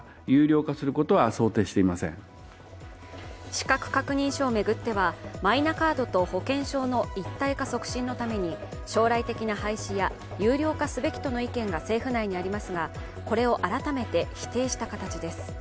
資格確認書を巡ってはマイナカードと保険証の一体化促進のために将来的な廃止や有料化すべきとの意見が政府内にありますが、これを改めて否定した形です。